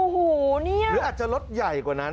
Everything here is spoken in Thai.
หรืออาจจะรถใหญ่กว่านั้น